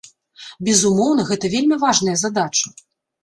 Безумоўна, гэта вельмі важная задача.